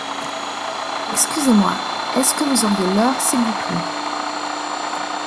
Excusez-moi, est-ce que vous auriez l'heure s'il vous plaît?